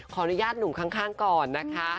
ขออนุญาตหนุ่มข้างก่อนนะคะ